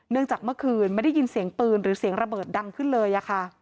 จากเมื่อคืนไม่ได้ยินเสียงปืนหรือเสียงระเบิดดังขึ้นเลยค่ะ